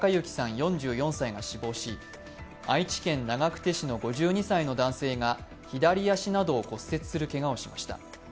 ４４歳が死亡し、愛知県長久手市の５２歳の男性が左足などを骨折するけがをしました。